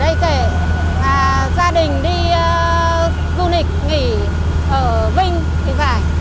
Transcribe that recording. và khi tôi nghe thông tin người dân ở đây kể là gia đình đi du lịch nghỉ ở vinh thì phải